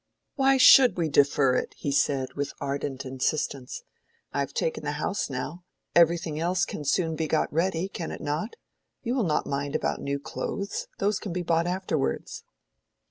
"Why should we defer it?" he said, with ardent insistence. "I have taken the house now: everything else can soon be got ready—can it not? You will not mind about new clothes. Those can be bought afterwards."